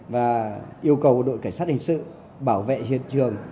và yêu cầu đội cảnh sát hình sự bảo vệ hiện trường